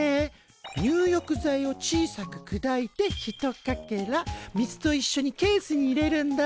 入浴剤を小さくくだいてひとかけら水といっしょにケースに入れるんだ。